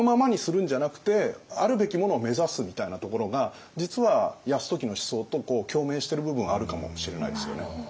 みたいなところが実は泰時の思想と共鳴している部分があるかもしれないですよね。